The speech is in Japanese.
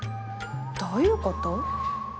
どういうこと？